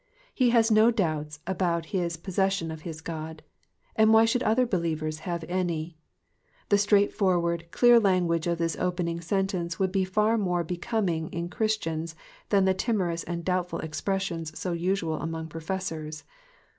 He has no doubts about his possession of his God ; and why should other believers have any i The straightforward, clear language of this opening sentence would be far more becoming in Christians than the timorous ana doubtful expressions so usual among professors.